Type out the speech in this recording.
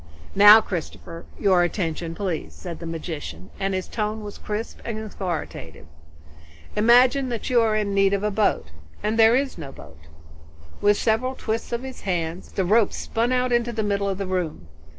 "Now Christopher, your attention please," said the magician, and his tone was crisp and authoritative. "Imagine that you are in need of a boat, and there is no boat." With several twists of his hands the rope spun out into the middle air of the room.